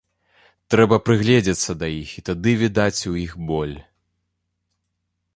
Трэба прыгледзецца да іх, і тады відаць у іх боль.